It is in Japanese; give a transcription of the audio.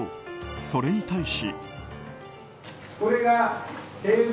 それに対し。